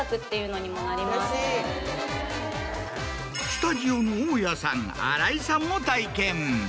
スタジオの大家さん新井さんも。